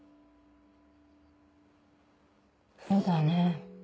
そうだね。